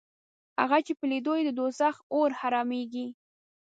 هغه چې په لیدو یې د دوزخ اور حرامېږي